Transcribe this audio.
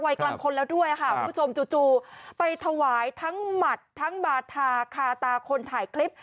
กลางคนแล้วด้วยค่ะคุณผู้ชมจู่ไปถวายทั้งหมัดทั้งบาทาคาตาคนถ่ายคลิป